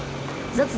rất dễ sử dụng